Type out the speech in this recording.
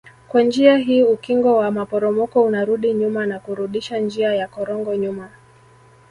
Kwa njia hii ukingo wa maporomoko unarudi nyuma na kurudisha njia ya korongo nyuma